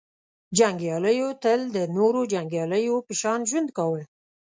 • جنګیالیو تل د نورو جنګیالیو په شان ژوند کاوه.